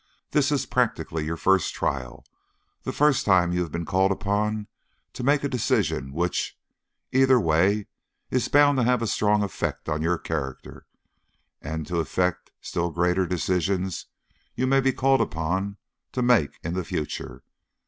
This is practically your first trial, the first time you have been called upon to make a decision which, either way, is bound to have a strong effect on your character, and to affect still greater decisions you may be called upon to make in the future.